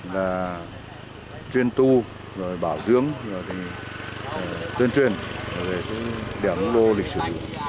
là chuyên tu bảo dưỡng tuyên truyền để ủng hộ lịch sử